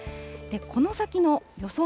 この先の予想